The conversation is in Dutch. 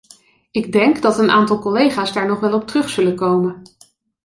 Ik denk dat een aantal collega's daar nog wel op terug zullen komen.